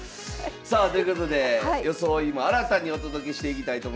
さあということで装いも新たにお届けしていきたいと思います。